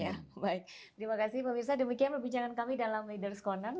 baik terima kasih pak mirza demikian perbincangan kami dalam leaders corner